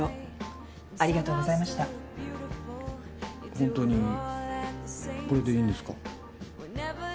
ホントにこれでいいんですか？